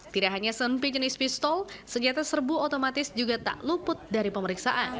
tidak hanya sempi jenis pistol senjata serbu otomatis juga tak luput dari pemeriksaan